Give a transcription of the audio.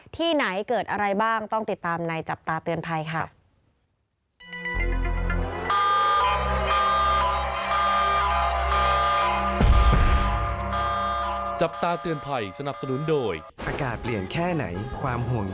ที่ไหนเกิดอะไรบ้างต้องติดตามในจับตาเตือนภัยค่ะ